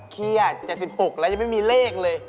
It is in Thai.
เครียด๗๖แล้วยังไม่มีเลขเลย